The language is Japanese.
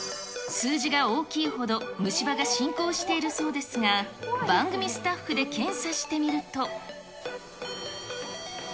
数字が大きいほど、虫歯が進行しているそうですが、番組スタッフで検査してみると。